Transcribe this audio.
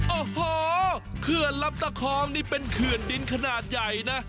โอ้โหเขื่อนลำตะคองนี่เป็นเขื่อนดินขนาดใหญ่นะ